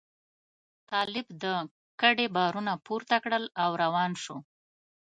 طالب د کډې بارونه پورته کړل او روان شو.